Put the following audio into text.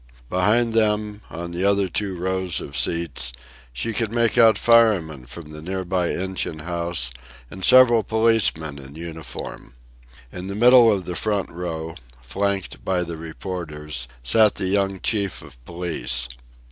Behind them, on the other two rows of seats, she could make out firemen from the near by engine house and several policemen in uniform. In the middle of the front row, flanked by the reporters, sat the young chief of police.